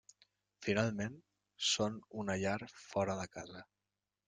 Finalment, són una llar fora de casa.